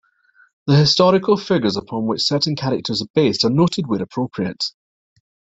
The historical figures upon which certain characters are based are noted where appropriate.